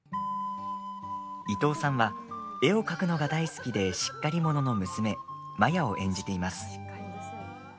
伊東さんは絵を描くのが大好きでしっかり者の娘マヤを演じています。